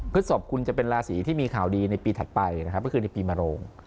พฤศพคุณจะเป็นราศีที่มีข่าวดีในปีถัดไปนะครับก็คือในปีมโรง